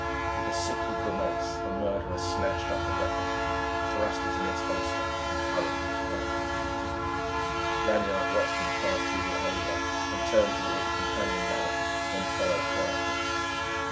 With a sickly grimace the murderer snatched up the weapon, thrust it in its holster, and hurriedly departed. Lanyard watched him pass through the alleyway and turn toward the companion ladder, then followed quietly.